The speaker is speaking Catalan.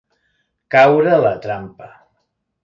Caure a la trampa.